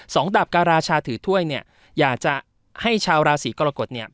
ดาบการาชาถือถ้วยเนี่ยอยากจะให้ชาวราศีกรกฎเนี่ย